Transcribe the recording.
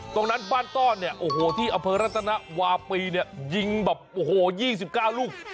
บ้านต้อนเนี่ยโอ้โหที่อำเภอรัตนวาปีเนี่ยยิงแบบโอ้โห๒๙ลูก